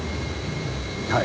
はい。